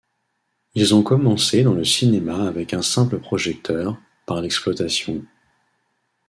Ils ont commencé dans le cinéma avec un simple projecteur, par l'exploitation.